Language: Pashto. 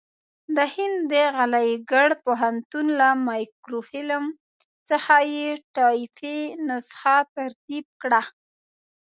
د هند د علیګړ پوهنتون له مایکروفیلم څخه یې ټایپي نسخه ترتیب کړه.